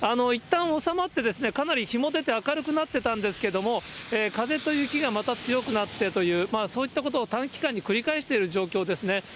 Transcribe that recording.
いったん収まってかなり日も出て、明るくなってたんですけど、風と雪がまた強くなってという、そういったことを短期間に繰り返している状況ですね。